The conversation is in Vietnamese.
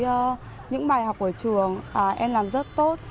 những bài học ở trường em làm rất tốt